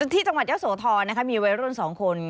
ที่จังหวัดเย้าสวทอมีวัยรุ่นสองคน